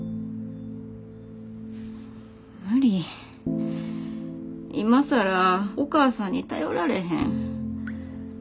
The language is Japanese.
無理今更お母さんに頼られへん。